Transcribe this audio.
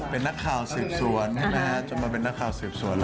เป็นนักข่าวสืบสวนใช่ไหมฮะจนมาเป็นนักข่าวสืบสวน